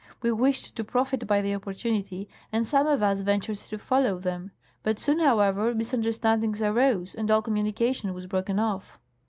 We wished to profit by the opportunity, and some of us ventured to follow them ; but soon, however, misunderstandings arose and all communication was broken off.